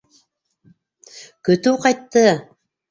Көтөү ҡайтты!